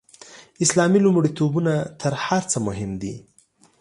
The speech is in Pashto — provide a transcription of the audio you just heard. اسلامي لومړیتوبونه تر هر څه مهم دي.